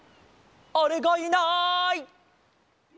あれがいない！